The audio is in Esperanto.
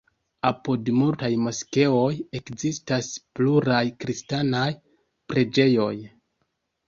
Apud multaj moskeoj ekzistas pluraj kristanaj preĝejoj.